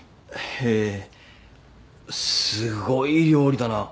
へぇすごい料理だな。